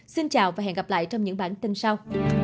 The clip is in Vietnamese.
xin chào và hẹn gặp lại trong những bản tin sau